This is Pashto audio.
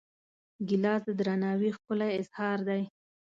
ګیلاس د درناوي ښکلی اظهار دی.